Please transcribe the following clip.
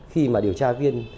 khi mà điều tra viên